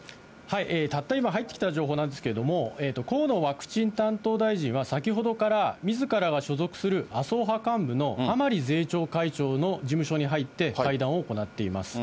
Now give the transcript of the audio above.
たった今入ってきた情報なんですけれども、河野ワクチン担当大臣は、先ほどからみずからが所属する麻生派幹部の甘利税調会長の事務所に入って会談を行っています。